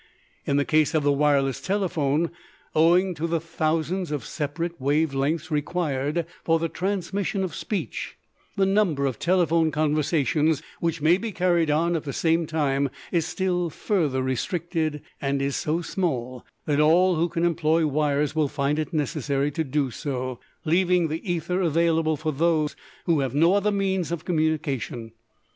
In the case of the wireless telephone, owing to the thousands of separate wave lengths required for the transmission of speech, the number of telephone conversations which may be carried on at the same time is still further restricted and is so small that all who can employ wires will find it necessary to do so, leaving the ether available for those who have no other means of communication.